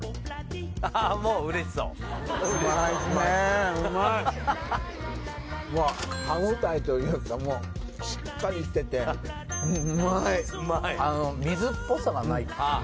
ああもう嬉しそう歯応えというかもうしっかりしてて水っぽさがないっていうか